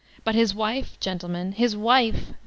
But his wife, gentlemen, his wife, the wo 34^